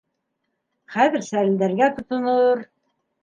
Хәҙер сәрелдәргә тотонор.